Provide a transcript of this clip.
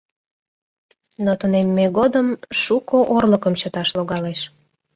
Но тунемме годым шуко орлыкым чыташ логалеш.